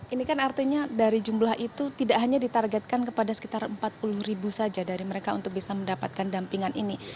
ini kan artinya dari jumlah itu tidak hanya ditargetkan kepada sekitar empat puluh ribu saja dari mereka untuk bisa mendapatkan dampingan ini